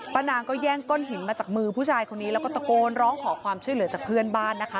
นางก็แย่งก้อนหินมาจากมือผู้ชายคนนี้แล้วก็ตะโกนร้องขอความช่วยเหลือจากเพื่อนบ้านนะคะ